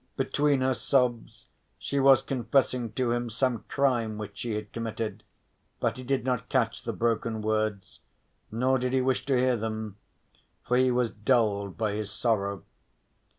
Between her sobs she was confessing to him some crime which she had committed, but he did not catch the broken words, nor did he wish to hear them, for he was dulled by his sorrow.